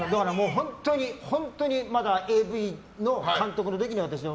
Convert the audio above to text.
本当にまだＡＶの監督の時に私が。